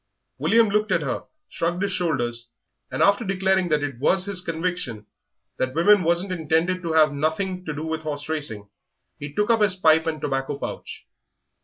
William looked at her, shrugged his shoulders, and, after declaring that it was his conviction that women wasn't intended to have nothing to do with horse racing, he took up his pipe and tobacco pouch.